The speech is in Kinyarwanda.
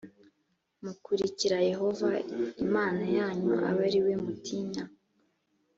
mukurikira yehova imana yanyu abe ari we mutinya